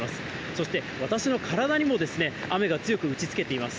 そして私の体にも雨が強く打ちつけています。